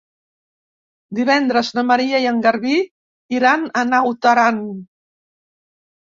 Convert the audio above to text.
Divendres na Maria i en Garbí iran a Naut Aran.